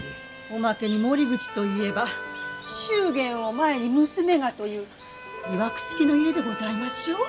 おまけに森口といえば「祝言を前に娘が」という曰くつきの家でございましょう。